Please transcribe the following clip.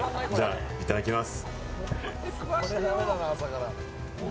いただきます。